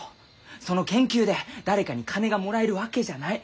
その研究で誰かに金がもらえるわけじゃない。